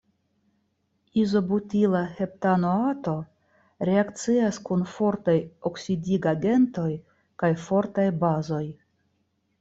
Izobutila heptanoato reakcias kun fortaj oksidigagentoj kaj fortaj bazoj.